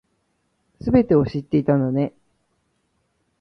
全てを知っていたんだね